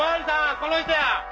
この人や。